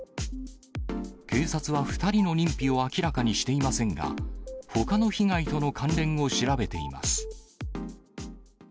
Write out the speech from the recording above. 警察は２人の認否を明らかにしていませんが、ほかの被害との関連を調べています。